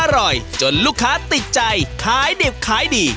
อร่อยจนลูกค้าติดใจขายดิบขายดี